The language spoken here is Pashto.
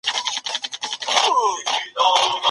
توليدي سکتورونه په نوي ټکنالوژي نه وو مجهز سوي.